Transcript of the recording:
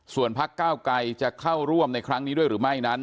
ส่วนพักเก้าไกรจะเข้าร่วมในครั้งนี้ด้วยหรือไม่นั้น